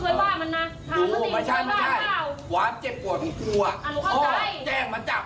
เวลากูชวนหากินดีพ่อหากิน